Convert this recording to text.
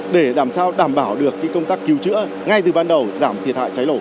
để làm sao đảm bảo được công tác cứu chữa ngay từ ban đầu giảm thiệt hại cháy nổ